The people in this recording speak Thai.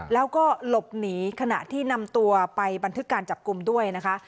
แล้วก็หลบหนีขณะที่นำตัวไปบันทึกการจับกลุ่มด้วยนะคะ